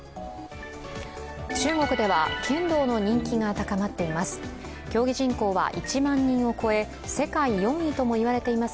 中国では剣道の人気が高まっています。